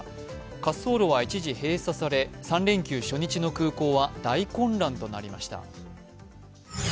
滑走路は一時閉鎖され、３連休初日の空港は大混乱となりました。